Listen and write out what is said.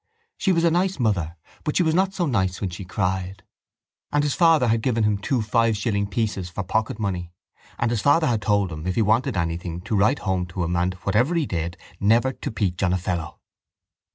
She was a nice mother but she was not so nice when she cried. And his father had given him two five shilling pieces for pocket money. And his father had told him if he wanted anything to write home to him and, whatever he did, never to peach on a fellow.